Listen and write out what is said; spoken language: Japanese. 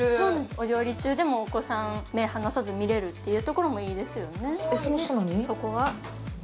お料理中でもお子さん、目を離さず見られるっていいですよね。